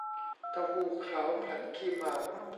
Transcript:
เต้าหู้ขาวผัดขี้เมา